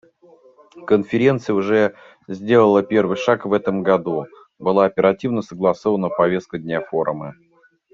Конференция уже сделала первый шаг в этом году: была оперативно согласована повестка дня форума.